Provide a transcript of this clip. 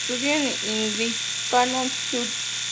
Estudió en el anglicano St.